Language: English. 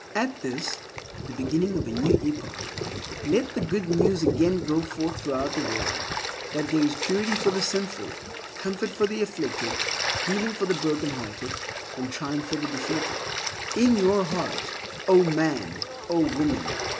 At this, the beginning of a new epoch, let the Good News again go forth throughout the world that there is purity for the sinful, comfort for the afflicted, healing for the broken hearted, and triumph for the defeated. In your heart, O man! O woman!